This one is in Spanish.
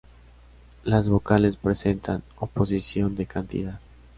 Las vocales presentan oposición de cantidad.